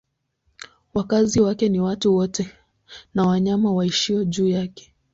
Wakazi wake ni watu wote na wanyama waishio juu yake.